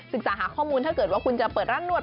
หาข้อมูลถ้าเกิดว่าคุณจะเปิดร้านนวด